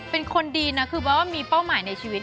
เป็นคนดีนะคือแบบว่ามีเป้าหมายในชีวิต